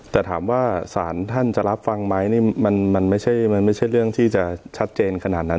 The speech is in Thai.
แต่ถามว่าศาลท่านจะรับฟังไหมนี่มันไม่ใช่มันไม่ใช่เรื่องที่จะชัดเจนขนาดนั้น